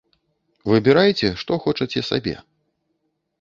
Выбірайце, што хочаце сабе.